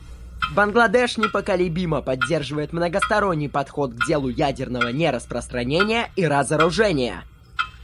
Бангладеш непоколебимо поддерживает многосторонний подход к делу ядерного нераспространения и разоружения.